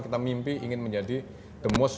kita mimpi ingin menjadi the most